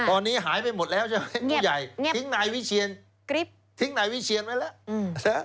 ตอนนี้หายไปหมดแล้วใช่ไหมผู้ใหญ่ทิ้งนายวิเชียนทิ้งนายวิเชียนไว้แล้ว